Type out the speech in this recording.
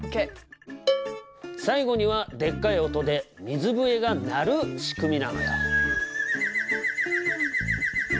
最後にはでっかい音で水笛がなる仕組みなのよ。